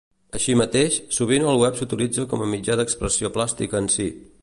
Així mateix, sovint el web s'utilitza com a mitjà d'expressió plàstica en si.